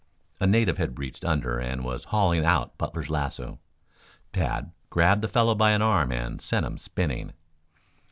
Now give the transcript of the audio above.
A native had reached under and was hauling out Butler's lasso. Tad grabbed the fellow by an arm and sent him spinning.